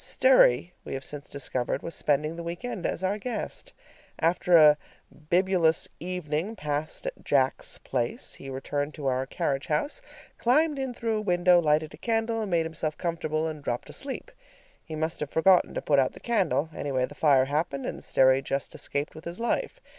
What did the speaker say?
Sterry, we have since discovered, was spending the week end as our guest. After a bibulous evening passed at "Jack's Place," he returned to our carriage house, climbed in through a window, lighted a candle, made himself comfortable, and dropped asleep. He must have forgotten to put out the candle; anyway, the fire happened, and Sterry just escaped with his life.